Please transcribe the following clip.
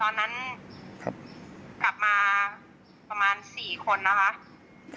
ตอนนั้นกลับมาประมาณ๔คนนะคะ